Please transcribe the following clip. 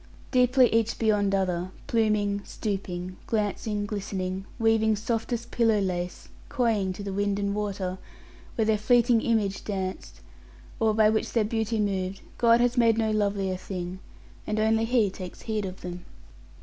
Deeply each beyond other, pluming, stooping, glancing, glistening, weaving softest pillow lace, coying to the wind and water, when their fleeting image danced, or by which their beauty moved, God has made no lovelier thing; and only He takes heed of them.